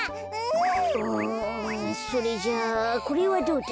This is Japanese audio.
うんそれじゃあこれはどうだ？